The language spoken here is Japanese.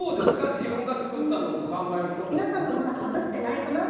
自分が作ったのと考えると。